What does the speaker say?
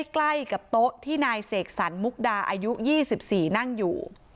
ใกล้กับโต๊ะที่นายเสกสรรมุกดาอายุ๒๔นั่งอยู่